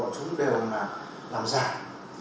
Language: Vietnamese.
chúng đều làm giải